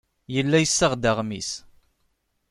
Yella yessaɣ-d aɣmis.